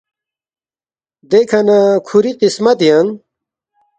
دیکھہ نہ کُھوری قسمت ینگ